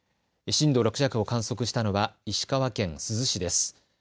震度６弱を観測したのは石川県珠洲市です。